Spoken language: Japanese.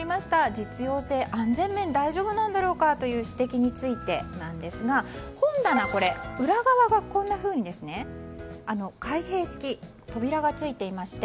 実用性安全面は大丈夫なんだろうかという指摘についてですが本棚、裏側がこんなふうに開閉式、扉がついていまして。